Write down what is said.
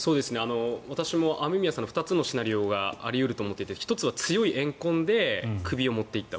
私も雨宮さんの２つのシナリオがあり得ると思っていて１つは強いえん恨で首を持っていった。